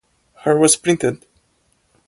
Hers was printed.